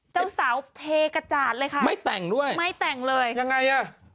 เจ้าสาวเทกระจาดเลยค่ะไม่แต่งด้วยไม่แต่งเลยยังไงอ่ะ